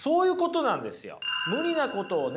無理なことをね